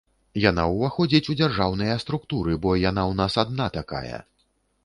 Яна ўваходзіць ў дзяржаўныя структуры, бо яна ў нас адна такая.